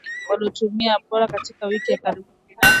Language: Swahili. wa Marekani waliotumwa Poland katika wiki za karibuni na